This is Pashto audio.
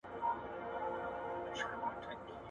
د زوم خاوره د خسر له سره اخيسته کېږي.